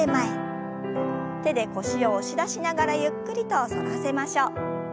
手で腰を押し出しながらゆっくりと反らせましょう。